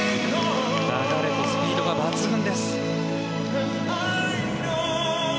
流れとスピードが抜群です。